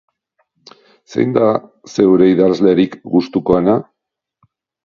Zein da zeure idazlerik gustukoena?